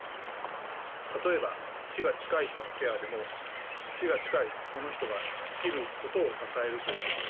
例えば死が近い人のケアでも死が近いその人が生きることを支えるということです。